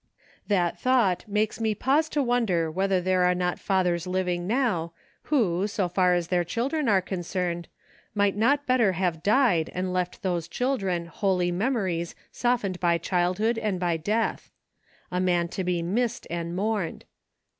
That thought makes me pause to wonder whether there are not fathers living now who, so far as their children are con cerned, might not better have died and left to those children holy memories softened by child hood and by death. A man to be missed and mourned.